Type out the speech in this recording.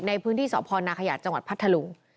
ในพื้นที่สพนาขยะจังหวัดพัทธลุง